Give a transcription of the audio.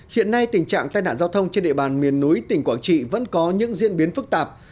hiện nay tình trạng tai nạn giao thông trên địa bàn miền núi tỉnh quảng trị vẫn có những diễn biến phức tạp